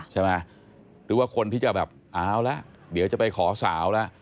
ใช่ไหมหรือว่าคนพิจารณ์แบบเอาละเดี๋ยวจะไปขอสาวละ